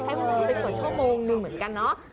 ให้ข้อมูลเป็นส่วนชั่วโมงหนึ่งเหมือนกันเนาะ